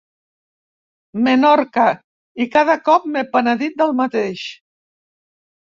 Menorca i cada cop m'he penedit del mateix.